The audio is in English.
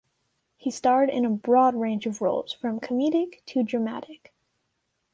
He starred in a broad range of roles from comedic to dramatic.